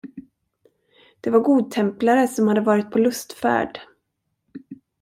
Det var godtemplare, som hade varit på lustfärd.